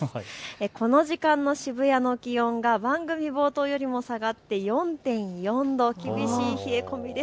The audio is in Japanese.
この時間の渋谷の気温が番組冒頭よりも下がって４．４度、厳しい冷え込みです。